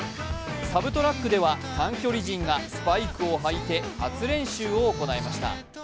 サブトラックでは短距離陣がスパイクを履いて初練習を行いました。